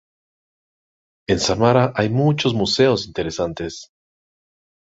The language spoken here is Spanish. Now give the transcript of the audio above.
En Samara hay muchos museos interesantes.